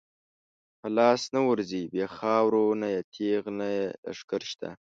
په لاس نه ورځی بی خاورو، نه یې تیغ نه یی لښکر شته